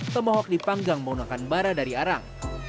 pemohok dipanggang menggunakan bara dari arang